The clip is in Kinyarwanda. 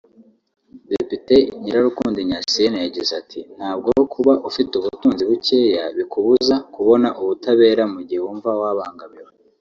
Depite Nyirarukundo Ignacienne yagize ati “Ntabwo kuba ufite ubutunzi bukeya bikubuza kubona ubutabera mu gihe wumva wabangamiwe